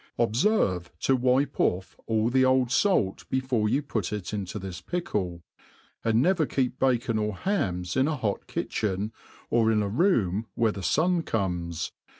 Obferve to wipe off all the old fait before yon put it into thi^ pickle, and never keep bacon or hams in a hot kitchen, or in 9 room where the fun comes.